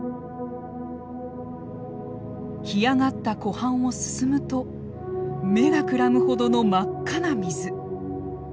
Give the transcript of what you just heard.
干上がった湖畔を進むと目がくらむほどの真っ赤な水。